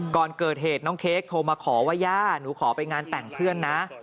ก่อนเกิดเหตุน้องเค้กโทรมาขอว่าย่าหนูขอไปงานแต่งเพื่อนนะ